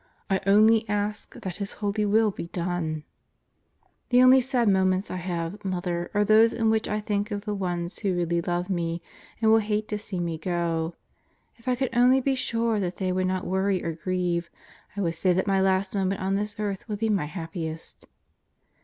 I only ask that His holy will be done! ... The only sad moments I have, Mother, are those in which I think of the ones who really love me and will hate to see me go. If I could only be sure that they would not worry or grieve, I would say that my last moment on this earth would be my happiest.